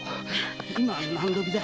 今何時だ？